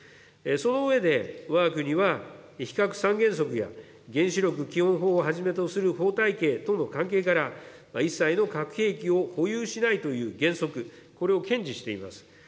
その上で、わが国は非核三原則や原子力基本法をはじめとする法体系との関係から、一切の核兵器を保有しないという原則、これを堅持しています。